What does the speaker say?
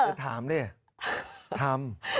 จะถามดิทำ